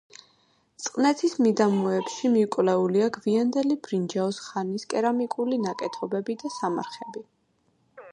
წყნეთის მიდამოებში მიკვლეულია გვიანდელი ბრინჯაოს ხანის კერამიკული ნაკეთობები და სამარხები.